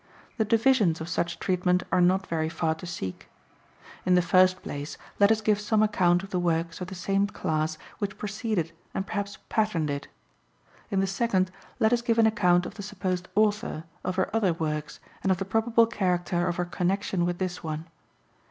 The divisions of such treatment are not very far to seek. In the first place, let us give some account of the works of the same class which preceded and perhaps patterned it. In the second, let us give an account of the supposed author, of her other works, and of the probable character of her connection with this one.